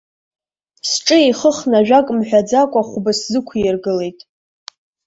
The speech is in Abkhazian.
Сҿы еихыхны ажәак мҳәаӡакәа, хәба сзықәиргылеит.